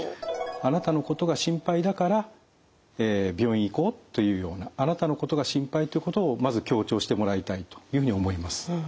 「あなたのことが心配だから病院行こう」というようなあなたのことが心配ということをまず強調してもらいたいというふうに思います。